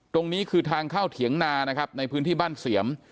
ตรงนี้คือทางเข้าเถียงนานะครับในพื้นที่บ้านเสียม